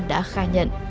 đã khai nhận